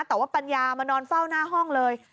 แต่ว่าปัญญามานอนเฝ้าหน้าห้องเลย